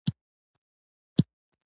هغوی د ده په ضد یو توپان راپورته کړ.